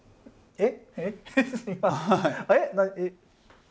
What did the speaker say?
えっ。